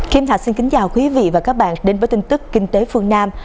kim thạch xin kính chào quý vị và các bạn đến với tin tức kinh tế phương nam